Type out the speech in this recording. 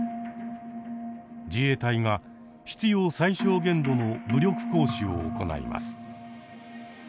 自衛隊が必要最小限度の武力行使を行います。